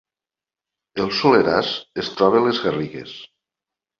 El Soleràs es troba a les Garrigues